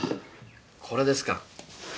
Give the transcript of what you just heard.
これですか。